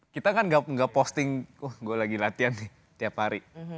kita kan gak posting wah gue lagi latihan nih tiap hari